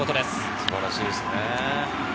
素晴らしいですよね。